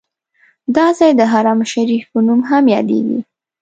دا ځای د حرم شریف په نوم هم یادیږي.